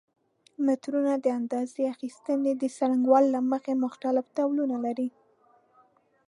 مترونه د اندازه اخیستنې د څرنګوالي له مخې مختلف ډولونه لري.